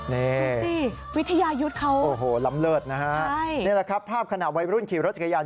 นี่สิวิทยายุทธ์เขาใช่นี่แหละครับภาพขณะวัยรุ่นขี่รถจักรยาน